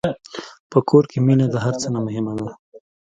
په کور کې مینه د هر څه نه مهمه ده.